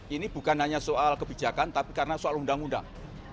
ini bukan hanya soal kebijakan tapi karena soal undang undang